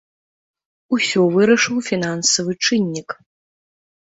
Усё вырашыў фінансавы чыннік.